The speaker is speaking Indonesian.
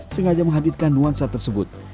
sengaja menghadirkan nuansa tersebut